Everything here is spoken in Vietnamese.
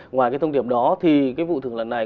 ngoài cái thông điệp đó thì cái vụ thường lần này